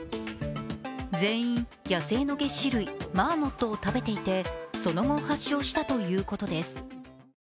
全員、野生のげっ歯類・マーモットを食べていてその後、発症したということです。